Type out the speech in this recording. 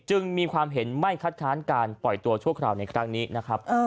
จึงมีความเห็นไม่คัดค้านการปล่อยตัวชั่วคราวในครั้งนี้นะครับ